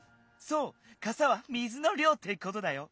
そうかさは水のりょうってことだよ。